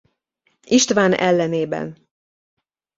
István ellenében.